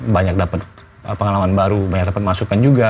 banyak dapat pengalaman baru banyak dapat masukan juga